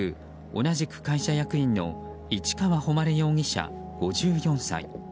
同じく会社役員の市川誉容疑者、５４歳。